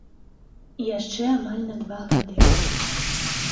Яшчэ амаль на два гады.